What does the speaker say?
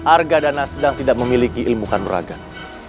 argadana sedang tidak memiliki ilmu khanuragan